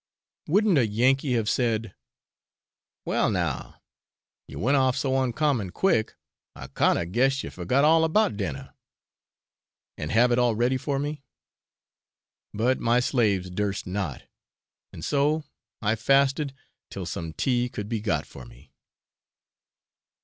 Wouldn't a Yankee have said, 'Wal now, you went off so uncommon quick, I kinder guessed you forgot all about dinner,' and have had it all ready for me? But my slaves durst not, and so I fasted till some tea could be got for me.